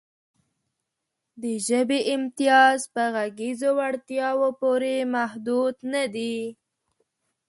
د ژبې امتیاز په غږیزو وړتیاوو پورې محدود نهدی.